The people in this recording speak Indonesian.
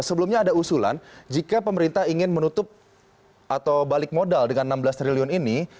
sebelumnya ada usulan jika pemerintah ingin menutup atau balik modal dengan enam belas triliun ini